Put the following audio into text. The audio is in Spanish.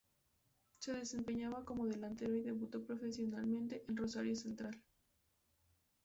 Se desempeñaba como delantero y debutó profesionalmente en Rosario Central.